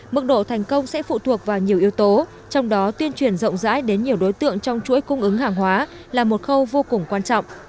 mức độ thành công sẽ phụ thuộc vào nhiều yếu tố trong đó tuyên truyền rộng rãi đến nhiều đối tượng trong chuỗi cung ứng hàng hóa là một khâu vô cùng quan trọng